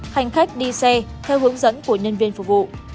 hành khách đi xe theo hướng dẫn của nhân viên phục vụ